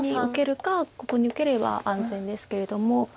ここに受ければ安全ですけれども。